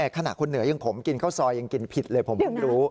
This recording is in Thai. ขณะคนเหนือยังผมกินข้าวซอยยังกินผิดเลยผมเพิ่งรู้